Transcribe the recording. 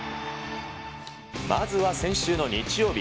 まずは先週の日曜日。